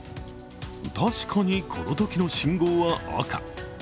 確かにこのときの信号は赤。